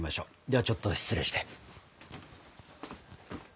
ではちょっと失礼して。